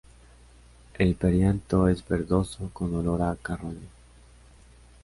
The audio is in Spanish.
El perianto es verdoso, con olor a carroña.